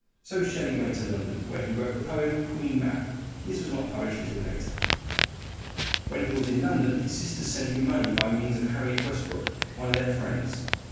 So Shelley went to London, where he wrote the poem "Queen Mab." This was not published until later. When he was in London his sisters sent him money by means of Harriet Westbrook, one of their friends.